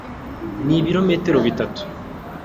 Nibirometero bitanu.